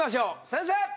先生！